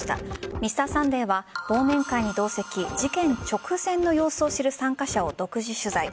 「Ｍｒ．サンデー」は忘年会に同席事件直前の様子を知る参加者を独自取材。